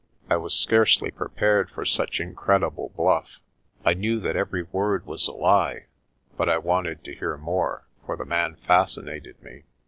I was scarcely prepared for such incredible bluff. I knew that every word was a lie but I wanted to hear more, for the man fascinated me.